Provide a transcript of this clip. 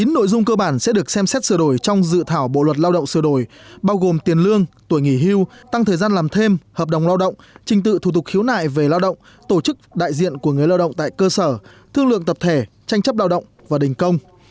một mươi nội dung cơ bản sẽ được xem xét sửa đổi trong dự thảo bộ luật lao động sửa đổi bao gồm tiền lương tuổi nghỉ hưu tăng thời gian làm thêm hợp đồng lao động trình tự thủ tục khiếu nại về lao động tổ chức đại diện của người lao động tại cơ sở thương lượng tập thể tranh chấp lao động và đình công